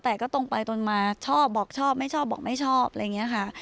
แต่ก็ตรงไปตรงมาชอบบอกชอบไม่ชอบบอกไม่ชอบอะไรอย่างนี้ค่ะ